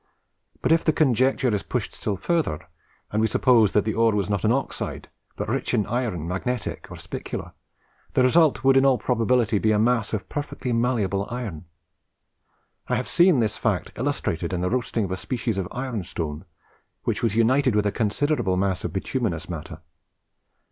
But if the conjecture is pushed still further, and we suppose that the ore was not an oxide, but rich in iron, magnetic or spicular, the result would in all probability be a mass of perfectly malleable iron. I have seen this fact illustrated in the roasting of a species of iron stone, which was united with a considerable mass of bituminous matter.